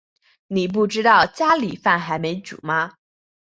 妳不知道家里饭还没煮吗